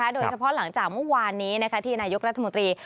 โดยเฉพาะหลังจากเมื่อวานนี้ที่นายกรัฐมนตรี